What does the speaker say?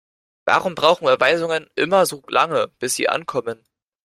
Warum brauchen Überweisungen immer so lange, bis sie ankommen?